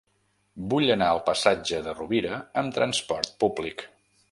Vull anar al passatge de Rovira amb trasport públic.